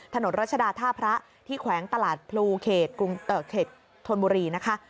รัชดาท่าพระที่แขวงตลาดพลูเขตธนบุรีนะคะ